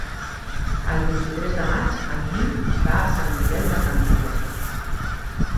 El vint-i-tres de maig en Guim va a Sant Miquel de Campmajor.